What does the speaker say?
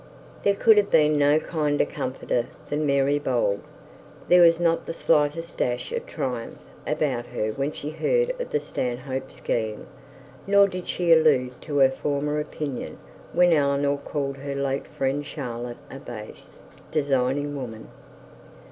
There could have been no kinder comforter than Mary Bold. There was not the slightest dash of triumph about her when she heard of the Stanhope scheme, nor did she allude to her former opinion when Eleanor called her late friend Charlotte a base, designing woman.